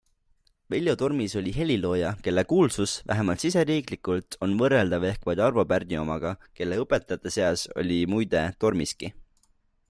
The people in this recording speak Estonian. Veljo Tormis oli helilooja, kelle kuulsus - vähemalt siseriiklikult - on võrreldav ehk vaid Arvo Pärdi omaga, kelle õpetajate seas oli muide Tormiski.